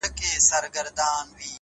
دا خواست د مړه وجود دی- داسي اسباب راکه-